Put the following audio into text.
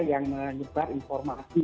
yang menyebar informasi